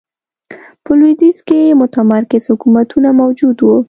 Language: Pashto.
په لوېدیځ کې متمرکز حکومتونه موجود و.